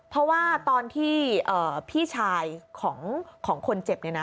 เพราะว่าตอนที่พี่ชายของคนเจ็บ